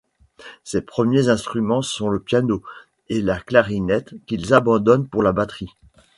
Ses premiers instruments sont le piano et la clarinette qu'il abandonne pour la batterie.